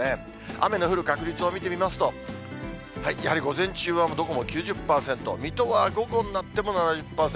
雨の降る確率を見てみますと、やはり午前中はどこも９０％、水戸は午後になっても７０％。